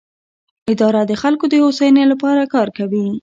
اداره د خلکو د هوساینې لپاره کار کوي.